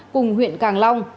cùng huyện càng long